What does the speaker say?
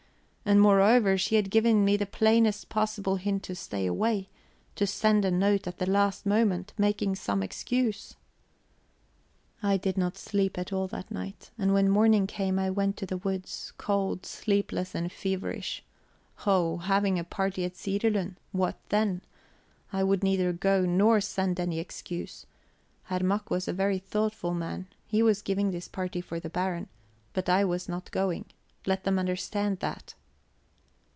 And, moreover, she had given me the plainest possible hint to stay away to send a note at the last moment, making some excuse... I did not sleep all that night, and when morning came I went to the woods cold, sleepless, and feverish. Ho, having a party at Sirilund! What then? I would neither go nor send any excuse. Herr Mack was a very thoughtful man; he was giving this party for the Baron; but I was not going let them understand that!